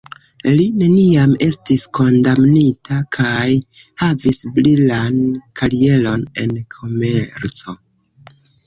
Li neniam estis kondamnita kaj havis brilan karieron en komerco.